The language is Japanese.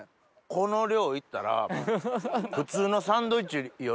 この量いったら。